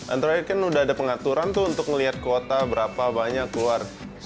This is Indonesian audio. android kan udah ada pengaturan tuh untuk melihat kuota berapa banyak keluar